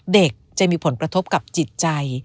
เด็กจะมีผลกระทบกับจิตใจ